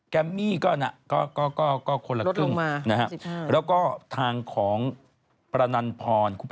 แกรมมี่ก็คนละครึ่งแล้วก็ทางของประนันพร